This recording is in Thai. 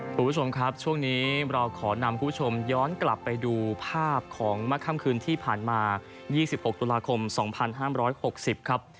คุณผู้ชมครับช่วงนี้เราขอนำคุณผู้ชมย้อนกลับไปดูภาพของเมื่อค่ำคืนที่ผ่านมา๒๖ตุลาคม๒๕๖๐ครับ